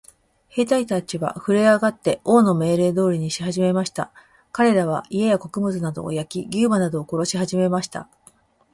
兵隊たちはふるえ上って、王の命令通りにしはじめました。かれらは、家や穀物などを焼き、牛馬などを殺しはじめました。